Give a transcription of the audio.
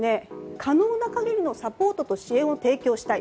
可能な限りのサポートと支援を提供したい。